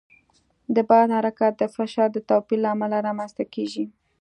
د باد حرکت د فشار د توپیر له امله رامنځته کېږي.